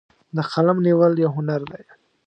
د قلم نیول یو هنر دی.